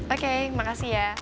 oke makasih ya